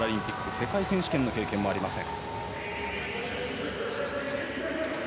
世界選手権の経験もありません。